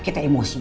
setup conen yang